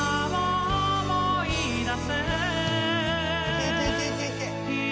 いけいけいけいけ！